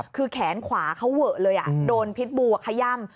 คือแขนขวาเขาเวอะเลยโดนพิษบูขย่ำ